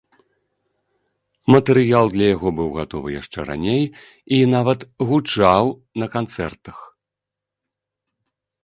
Матэрыял для яго быў гатовы яшчэ раней і, нават, гучаў на канцэртах.